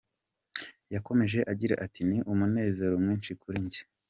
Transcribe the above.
Yakomeje agira ati “Ni umunezero mwinshi kuri njye.